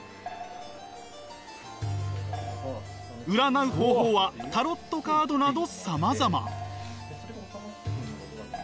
占う方法はタロットカードなどさまざま。